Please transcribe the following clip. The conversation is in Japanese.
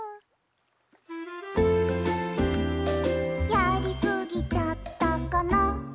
「やりすぎちゃったかな」